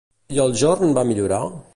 I el jorn va millorar?